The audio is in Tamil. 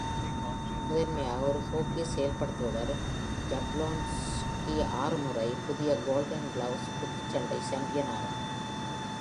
முதன்மையாக ஒரு ஹாக்கி செயல்படுத்துபவர், யப்லோன்ஸ்கி ஆறு முறை, புதிய கோல்டன் க்ளோவ்ஸ் குத்துச்சண்டை சாம்பியன் ஆவார்.